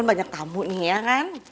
nih ya kan